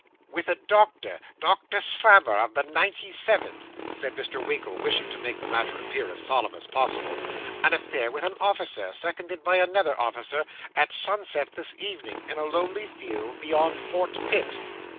'With a doctor Doctor Slammer, of the 97th,' said Mr. Winkle, wishing to make the matter appear as solemn as possible; 'an affair with an officer, seconded by another officer, at sunset this evening, in a lonely field beyond Fort Pitt.